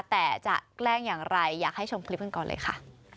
แต่จะแกล้งอย่างไรอยากให้ชมคลิปกันก่อนเลยค่ะ